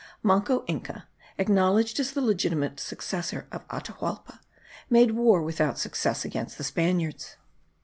Manco Inca, acknowledged as the legitimate successor of Atahualpa, made war without success against the Spaniards.